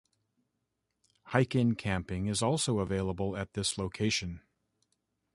Hike-in camping is also available at this location.